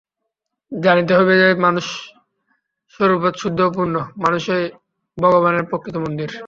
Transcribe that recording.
জানিতে হইবে যে, মানুষ স্বরূপত শুদ্ধ ও পূর্ণ, মানুষই ভগবানের প্রকৃত মন্দির।